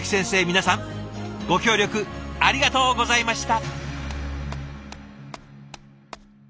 皆さんご協力ありがとうございました。